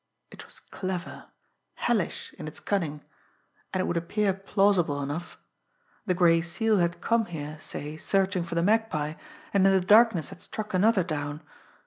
It was clever, hellish in its cunning. And it would appear plausible enough. The Gray Seal had come here, say, searching for the Magpie, and in the darkness had struck another down!